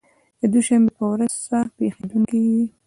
د دوشنبې په ورځ څه پېښېدونکي دي؟